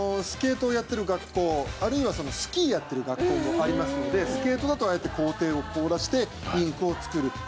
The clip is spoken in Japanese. スケートをやってる学校あるいはスキーをやってる学校もありますのでスケートだとああやって校庭を凍らせてリンクを作る。